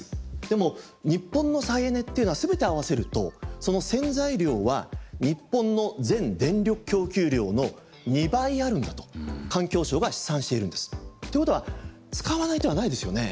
でも日本の再エネっていうのはすべて合わせるとその潜在量は日本の全電力供給量の２倍あるんだと環境省が試算しているんです。ということは使わない手はないですよね。